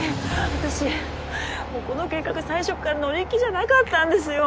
私もうこの計画最初から乗り気じゃなかったんですよ。